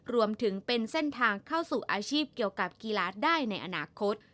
รวมถึงเป็นเส้นทางเข้าสู่อาชีพเกี่ยวกับกีฬาได้ในอนาคต